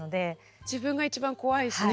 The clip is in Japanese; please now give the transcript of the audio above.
自分が一番怖いしね。